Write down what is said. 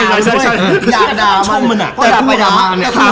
แต่พอด่าไม่ได้